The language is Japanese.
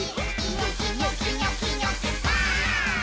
「ニョキニョキニョキニョキバーン！」